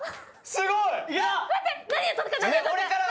すごい！！